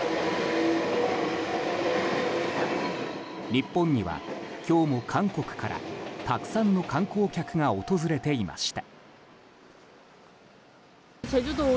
日本には今日も韓国からたくさんの観光客が訪れていました。